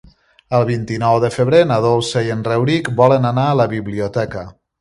El vint-i-nou de febrer na Dolça i en Rauric volen anar a la biblioteca.